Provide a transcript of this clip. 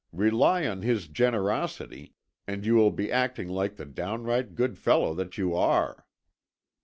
Rely on his generosity, and you will be acting like the downright good fellow that you are."